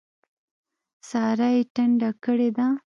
سارا يې ټنډه کړې ده.